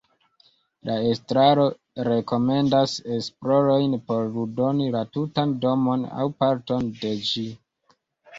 La estraro rekomendas esplorojn por ludoni la tutan domon aŭ parton de ĝi.